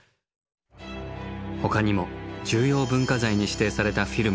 ほかにも重要文化財に指定されたフィルムがありました。